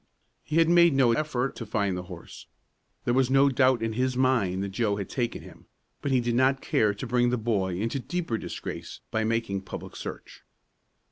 He had made no effort to find the horse. There was no doubt in his mind that Joe had taken him; but he did not care to bring the boy into deeper disgrace by making public search.